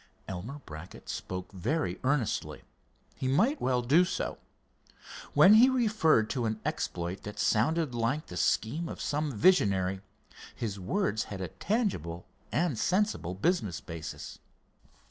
Elmer Brackett spoke very earnestly. He might well do so. When he referred to an exploit that sounded like the scheme of some visionary, his words had a tangible and sensible business basis.